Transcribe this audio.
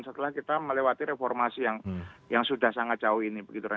setelah kita melewati reformasi yang sudah sangat jauh ini